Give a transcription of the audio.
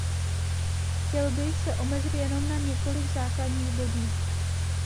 Chtěl bych se omezit jenom na několik základních bodů.